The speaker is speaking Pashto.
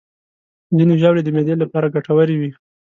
ځینې ژاولې د معدې لپاره ګټورې وي.